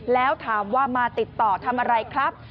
แล้วถามว่ามาติดต่อทำอะไรครับ